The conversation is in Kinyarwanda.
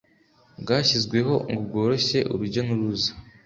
Bwashyizweho ngo bworoshye urujya n’uruza